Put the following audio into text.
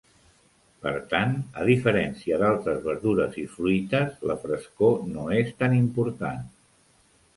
Per tant, a diferència d'altres verdures i fruites, la frescor no és tan important.